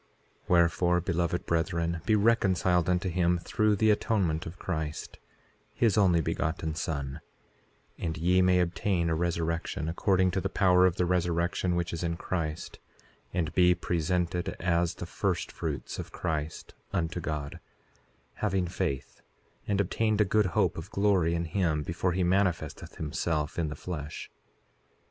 4:11 Wherefore, beloved brethren, be reconciled unto him through the atonement of Christ, his Only Begotten Son, and ye may obtain a resurrection, according to the power of the resurrection which is in Christ, and be presented as the first fruits of Christ unto God, having faith, and obtained a good hope of glory in him before he manifesteth himself in the flesh.